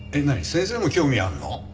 先生も興味あるの？